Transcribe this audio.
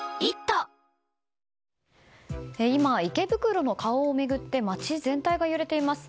今、池袋の顔を巡って街全体が揺れています。